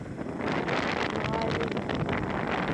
— Мөғәллим!